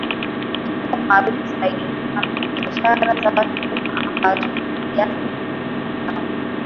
na kuwa maarufu zaidi kutona na bishara za watumwa ambazo kwa kiasi kikubwa zilifanywa